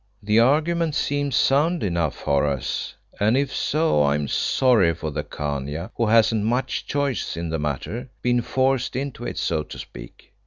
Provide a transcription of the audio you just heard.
"The argument seems sound enough, Horace, and if so I am sorry for the Khania, who hasn't much choice in the matter been forced into it, so to speak."